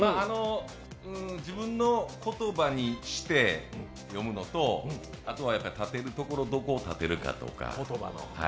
自分の言葉にして読むのと、あとは立てるところどこを立てるかとか。